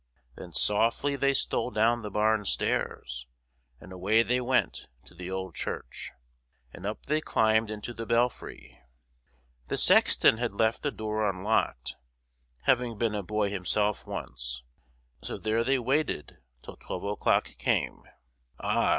Then softly they stole down the barn stairs, and away they went to the old church, and up they climbed into the belfry. The sexton had left the door unlocked, having been a boy himself once; so there they waited till twelve o'clock came. Ah!